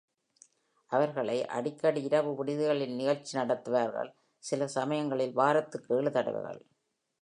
அவர்கள அடிக்கடி இரவு விடுதிகளில் நிகழ்ச்சி நடத்துவார்கள்,, சில சமயங்களில் வாரத்திற்கு ஏழு தடவைகள்.